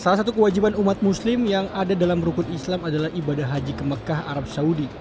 salah satu kewajiban umat muslim yang ada dalam rukun islam adalah ibadah haji ke mekah arab saudi